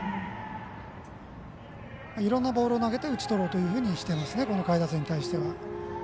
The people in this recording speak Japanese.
いろいろなボールを投げて打ち取ろうとしていますね下位打線に対しては。